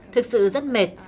thực sự rất mệt